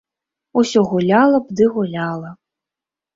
Усё гуляла б ды гуляла.